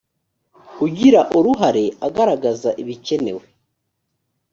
ugira uruhare agaragaza ibikenewe.